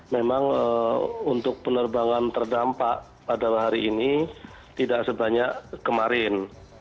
memang untuk penerbangan terdampak pada hari ini tidak sebanyak kemarin